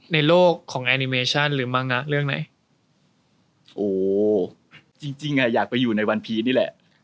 ในโลกของแอนิเมชั่นหรือมั้งอ่ะเรื่องไหนโอ้จริงจริงอ่ะอยากไปอยู่ในวันพีชนี่แหละ